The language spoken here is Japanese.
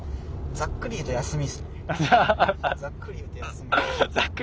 ざっくり言うと休み。